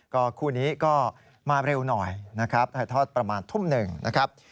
ก็คู่นี้ก็มาเร็วหน่อยนะครับถ่ายทอดประมาณทุ่มหนึ่งนะครับ